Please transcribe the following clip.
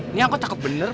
ini angkot takut bener